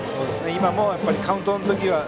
今もカウントの時は。